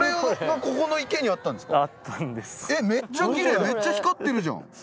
めっちゃ光ってるじゃん。